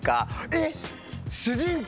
「えっ？主人公